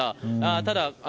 ただ、